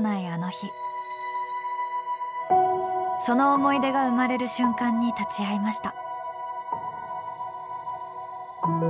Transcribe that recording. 決してその思い出がうまれる瞬間に立ち会いました。